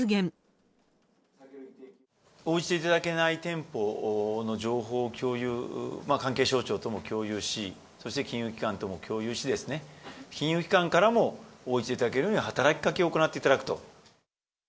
ーおうじていただけない店舗の情報を共有、関係省庁とも共有し、そして金融機関とも共有し、金融機関からも応じていただけるように働きかけを行っていただくと。